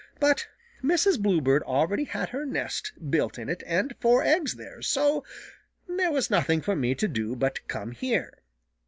But Mrs. Bluebird already had her nest built in it and four eggs there, so there was nothing for me to do but come here.